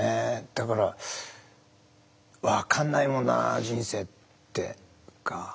だから分かんないもんだな人生っていうか。